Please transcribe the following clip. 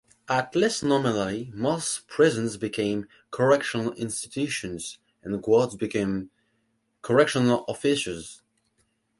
At least nominally, most prisons became "correctional institutions", and guards became "correctional officers".